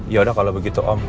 yaudah kalo begitu om